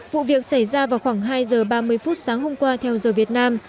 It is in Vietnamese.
vụ việc xảy ra vào khoảng hai giờ ba mươi phút sáng hôm qua theo giờ việt nam